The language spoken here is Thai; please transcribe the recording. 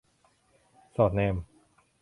สอดแนม